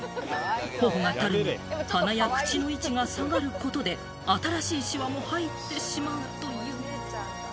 頬がたるみ、鼻や口の位置が下がることで新しいシワも入ってしまうという。